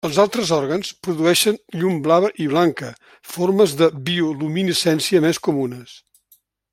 Els altres òrgans produeixen llum blava i blanca, formes de bioluminescència més comunes.